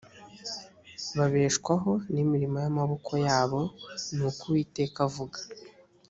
babeshwaho n’imirimo y’amaboko yabo ni ko uwiteka avuga